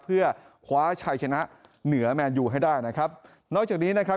เพื่อคว้าชัยชนะเหนือแมนยูให้ได้นะครับนอกจากนี้นะครับ